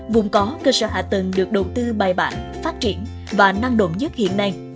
vùng có cơ sở hạ tầng được đầu tư bài bản phát triển và năng động nhất hiện nay